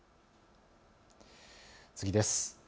次です。